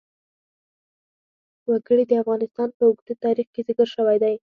وګړي د افغانستان په اوږده تاریخ کې ذکر شوی دی.